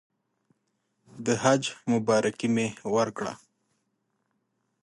د حج مبارکي مې ورکړه.